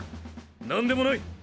何でもない。